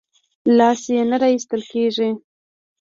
لاش یې نه راایستل کېږي.